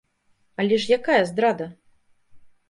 Але ж якая здрада?